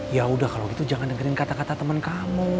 ya udah kalau gitu jangan dengerin kata kata teman kamu